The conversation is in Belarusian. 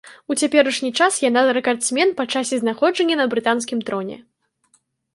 У цяперашні час яна рэкардсмен па часе знаходжання на брытанскім троне.